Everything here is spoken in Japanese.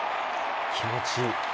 気持ちいい。